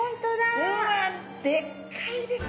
うわっでっかいですね。